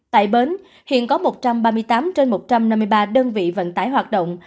tại bến hiện có một trăm ba mươi tám trên một trăm năm mươi ba đơn vị vận tải hoạt động